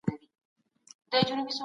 د سود خوړل په اسلام کي حرام دي.